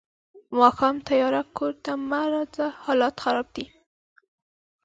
ماښام تیارۀ کور ته مه راځه حالات خراب دي.